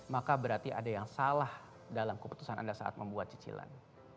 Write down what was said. maka berarti ada yang salah dalam keputusan anda saat membuat cicilan